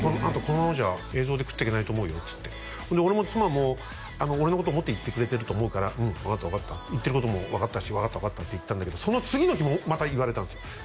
アンタこのままじゃ映像で食ってけないと思うよっつって俺も妻も俺のことを思って言ってくれてると思うからうん分かった分かった言ってることも分かったし分かった分かったって言ったんだけどその次の日もまた言われたんですよ